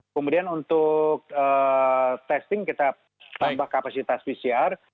kemudian untuk testing kita tambah kapasitas pcr